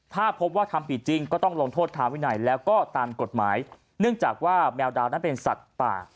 ถ้าพบว่าทำผิดจริงก็ต้องลงโทษทางวินัยแล้วก็ตามกฎหมายเนื่องจากว่าแมวดาวนั้นเป็นสัตว์ป่า